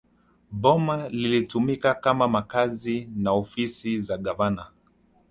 Boma lilitumika kama makazi na ofisi za gavana